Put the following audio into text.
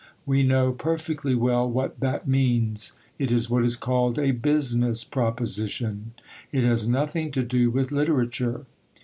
We know perfectly well what that means. It is what is called a "business proposition"; it has nothing to do with literature.